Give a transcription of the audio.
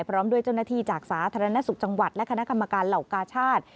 พร้อมด้วยเจ้าหน้าที่จากสาธารณสุขจังหวัดและคณะกรรมการเหล่ากาชาติ